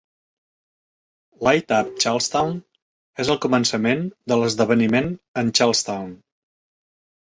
"Light Up Charlestown" és el començament de l'esdeveniment en Charlestown.